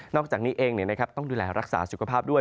อกจากนี้เองต้องดูแลรักษาสุขภาพด้วย